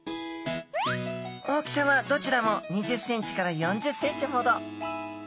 大きさはどちらも２０センチから４０センチほど。